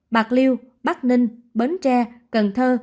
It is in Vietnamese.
bạc liêu bắc ninh bến tre cần thơ